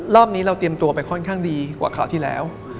รอบนี้เราเตรียมตัวไปค่อนข้างดีกว่าคราวที่แล้ว